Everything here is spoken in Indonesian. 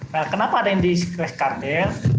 nah kenapa ada indikasi kartel